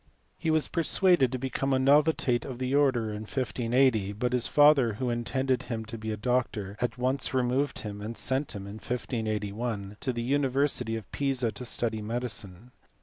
He was persuaded to become a novitiate of the order in 1580, but his father, who intended him to be a doctor, at once removed him, and sent him in 1581 to the university of Pisa to study medicine.